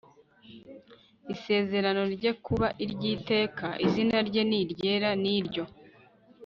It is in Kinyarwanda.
isezerano rye kuba iry iteka izina rye ni iryera n iryo